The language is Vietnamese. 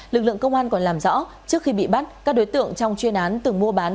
lực lượng công an còn làm rõ trước khi bị bắt các đối tượng trong chuyên án từng mua bán